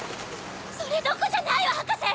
それどころじゃないわ博士！